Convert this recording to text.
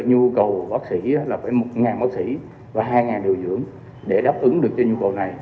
nhu cầu của bác sĩ là phải một bác sĩ và hai điều dưỡng để đáp ứng được cho nhu cầu này